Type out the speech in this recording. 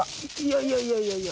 いやいやいやいやいや。